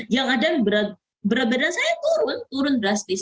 yang ada berat badan saya turun turun drastis